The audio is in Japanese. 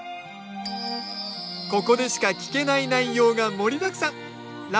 ここでしか聞けない内容が盛りだくさん！